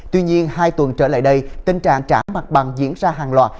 tuy nhiên hai tuần trở lại đây tình trạng trả mặt bằng diễn ra hàng loạt